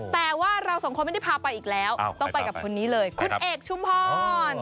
แต่ว่าเราสองคนไม่ได้พาไปอีกแล้วต้องไปกับคนนี้เลยคุณเอกชุมพร